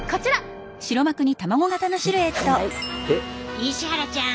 石原ちゃん